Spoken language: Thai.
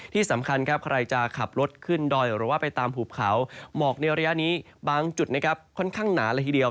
ที่สำคัญครับใครจะขับรถขึ้นดอยหรือว่าไปตามภูเขาหมอกในระยะนี้บางจุดนะครับค่อนข้างหนาเลยทีเดียว